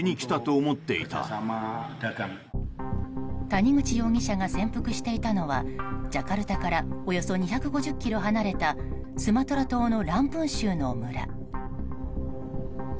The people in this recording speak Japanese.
谷口容疑者が潜伏していたのはジャカルタからおよそ２５０ｋｍ離れたスマトラ島のランプン州の村。